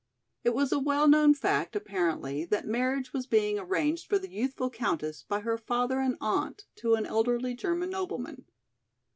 It was a well known fact, apparently, that marriage was being arranged for the youthful countess by her father and aunt to an elderly German nobleman.